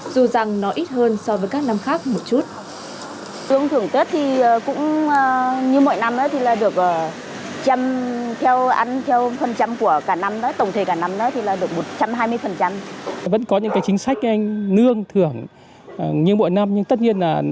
dù rằng nó ít hơn so với các doanh nghiệp này